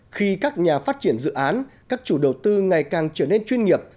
khi các nhà phát triển dự án các chủ đầu tư ngày càng trở nên chuyên nghiệp